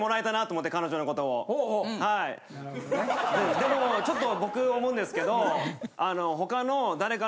でもちょっと僕思うんですけどあの。